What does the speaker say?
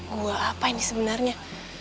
gua apa ini sebenarnya